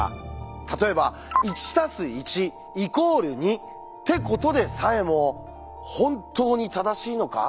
例えば「１＋１＝２」ってことでさえも「本当に正しいのか？」